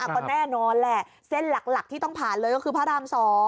ก็แน่นอนแหละเส้นหลักที่ต้องผ่านเลยก็คือพระราม๒